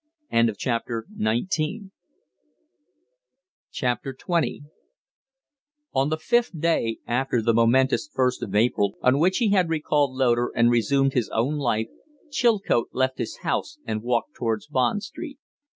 XX On the fifth day after the momentous 1st of April on which he had recalled Loder and resumed his own life Chilcote left his house and walked towards Bond Street.